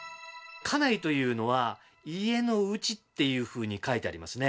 「家内」というのは「家の内」っていうふうに書いてありますね。